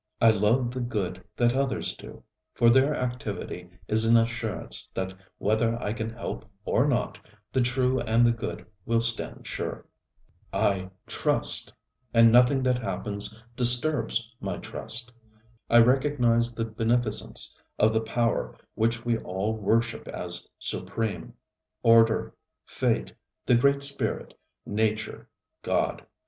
I love the good that others do; for their activity is an assurance that whether I can help or not, the true and the good will stand sure. Life and Letters of John Richard Green. Edited by Leslie Stephen. I trust, and nothing that happens disturbs my trust. I recognize the beneficence of the power which we all worship as supreme Order, Fate, the Great Spirit, Nature, God.